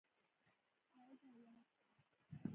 خالده ولاړ سه!